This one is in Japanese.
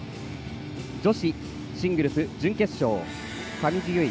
女子シングルス準決勝上地結衣